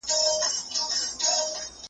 چي طلاوي نه وې درې واړه یاران ول `